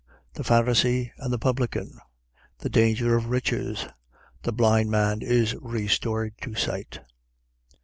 The Pharisee and the publican. The danger of riches. The blind man is restored to sight.